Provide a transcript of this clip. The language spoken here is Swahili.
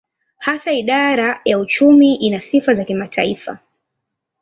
Hasa idara ya uchumi ina sifa za kimataifa.